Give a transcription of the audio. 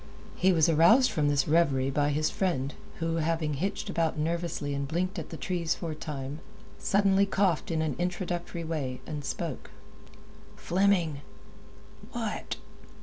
He was aroused from this reverie by his friend, who, having hitched about nervously and blinked at the trees for a time, suddenly coughed in an introductory way, and spoke. "Fleming!" "What?"